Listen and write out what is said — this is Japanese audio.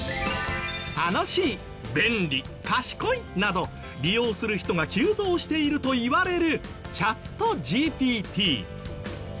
楽しい便利賢いなど利用する人が急増しているといわれるチャットＧＰＴ。